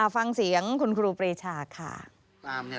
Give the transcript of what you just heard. ฟังเสียงคุณครูปรีชาค่ะ